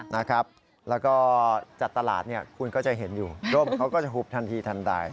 แล้วก็จัดตลาดเนี่ยคุณก็จะเห็นอยู่ร่มเขาก็จะหุบทันทีทันใด